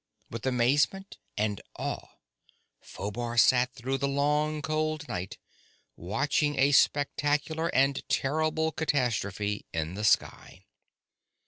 With amazement and awe, Phobar sat through the long, cold night, watching a spectacular and terrible catastrophe in the sky.